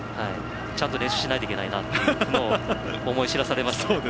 ちゃんと練習しなきゃいけないなというのを思い知らされました。